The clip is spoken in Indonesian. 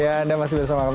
ya anda masih bersama kami